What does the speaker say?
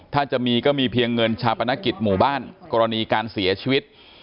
ถ้าจะมีก็มีเพียงเงินชาปนกิจหมู่บ้านกรณีการเสียชีวิต